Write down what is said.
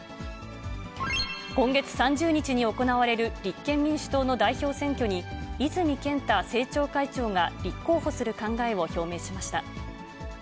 今月３０日に行われる立憲民主党の代表選挙に、泉健太政調会長が立候補する考えを表明しました。